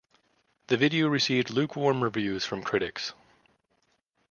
The video received lukewarm reviews from critics.